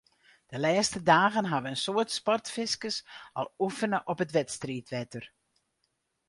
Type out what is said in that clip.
De lêste dagen hawwe in soad sportfiskers al oefene op it wedstriidwetter.